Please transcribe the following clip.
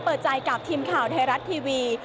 เปิดใจกับทีมข่าวไทยรัฐทีวี